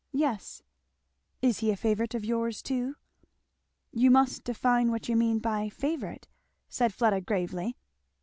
"Yes." "Is he a favourite of yours too?" "You must define what you mean by a favourite?" said Fleda gravely.